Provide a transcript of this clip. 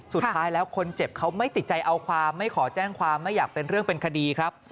สุดท้ายแล้วคนเจ็บเขาไม่ติดใจเอาความไม่ขอแจ้งความไม่อยากเป็นเรื่องเป็นคดีครับ